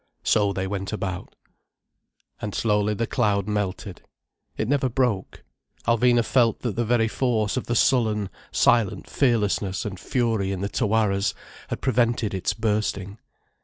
So they went about. And slowly the cloud melted. It never broke. Alvina felt that the very force of the sullen, silent fearlessness and fury in the Tawaras had prevented its bursting.